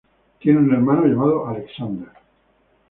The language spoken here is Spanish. Tiene un hermano llamado Alexander.